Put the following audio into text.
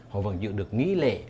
họ vẫn giữ được nghĩ lệ